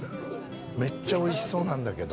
めっちゃおいしそうなんだけど。